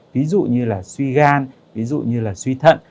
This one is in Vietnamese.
ví dụ như là suy gan ví dụ như là suy thận